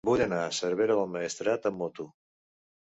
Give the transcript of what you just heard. Vull anar a Cervera del Maestrat amb moto.